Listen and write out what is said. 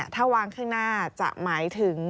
ถ้าวางข้างหน้าจะหมายถึง